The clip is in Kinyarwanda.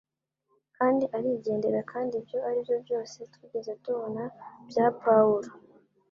Kandi arigendera, kandi ibyo aribyo byose ... twigeze tubona ... bya Pawulo.